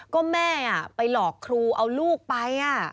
ก็แม่ไปหลอกครูเอาลูกไป